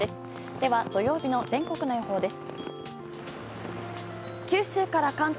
では、土曜日の全国の予報です。